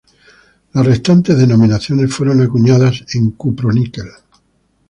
Las restantes denominaciones fueron acuñadas en Cupro-Níquel.